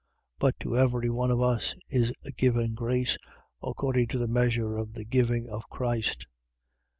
4:7. But to every one of us is given grace, according to the measure of the giving of Christ.